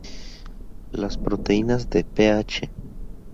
Las proteínas de "Ph.